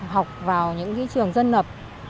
học vào những trường dân lập